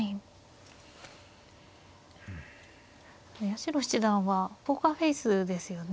八代七段はポーカーフェースですよね。